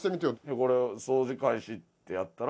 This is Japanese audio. これ「掃除開始」ってやったら。